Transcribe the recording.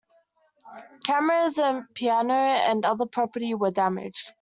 Cameras, a piano and other property were damaged.